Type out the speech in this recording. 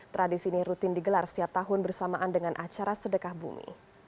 tradisi ini rutin digelar setiap tahun bersamaan dengan acara sedekah bumi